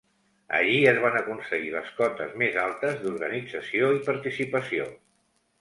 Allí es van aconseguir les cotes més altes d'organització i participació.